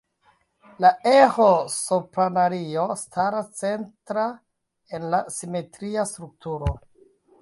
La eĥo-sopranario staras centra en la simetria strukturo.